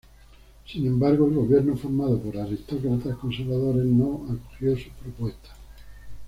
Sin embargo, el gobierno, formado por aristócratas conservadores no acogió sus propuestas.